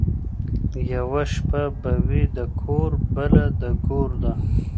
یوه شپه به وي د کور بله د ګور ده